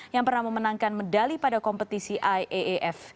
yang pernah memenangkan medali pada kompetisi iaaf